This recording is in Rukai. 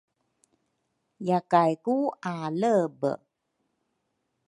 yakay ku alebe